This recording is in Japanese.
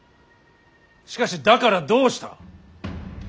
しかしだからどうした。